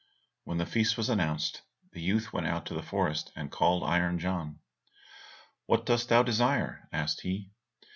When the feast was announced, the youth went out to the forest, and called Iron John. "What dost thou desire?" asked he.